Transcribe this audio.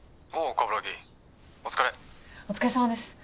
お疲れお疲れさまです